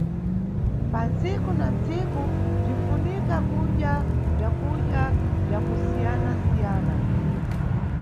Pantsiku na ntsiku, bzinʼfunika kudya bzakudya bza kusiyanasiyana.